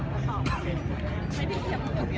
แม่กับผู้วิทยาลัย